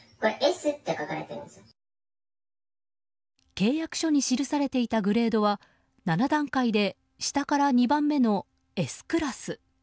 契約書に記されていたグレードは７段階で下から２番目のＳクラス。